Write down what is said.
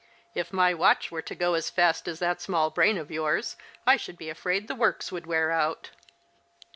"If my watch were to go as fast as that small brain of yours I should be afraid the works would wear out."